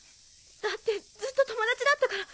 だってずっと友達だったから。